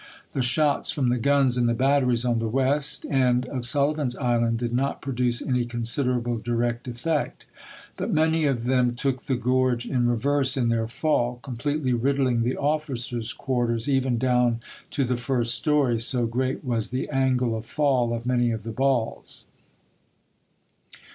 .. The shots from the guns in the batteries on the west end of Sullivan's Island did not produce any considerable direct effect^, but many of them THE FALL OF SUMTER 53 took the gorge in reverse in their fall, completely riddling chap. hi. the officers' quarters, even down to the first story, so great w. r. voi. was the angle of fall of many of the balls.